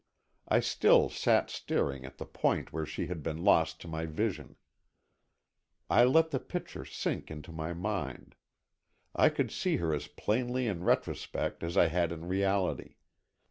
I still sat staring at the point where she had been lost to my vision. I let the picture sink into my mind. I could see her as plainly in retrospect as I had in reality.